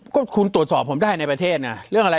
ก็คุณตรวจสอบผมได้ในประเทศนะ